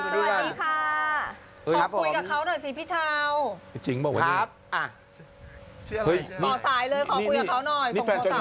ขอพูดกับเขาหน่อยสิพี่เช้า